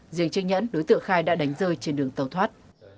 riêng chứng nhận đối tượng khai đã đánh rơi trên đường tàu thoát